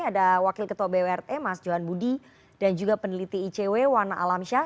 ada wakil ketua bwrt mas johan budi dan juga peneliti icw wana alamsyah